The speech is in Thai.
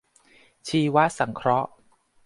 ชีวสังเคราะห์